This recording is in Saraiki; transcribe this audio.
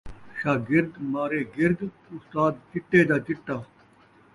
شاگرد مارے گرد ، استاد چٹے دا چٹا